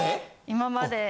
今まで。